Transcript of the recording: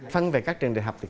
phân về các trường đại học thì